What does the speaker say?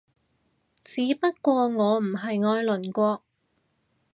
只不過我唔係愛鄰國